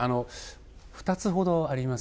２つほどあります。